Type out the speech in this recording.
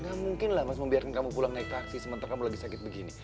gak mungkin lah mas membiarkan kamu pulang naik taksi sementara kamu lagi sakit begini